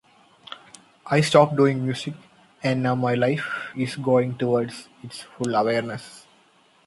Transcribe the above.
I stopped doing music, and now my life is going towards its full awareness.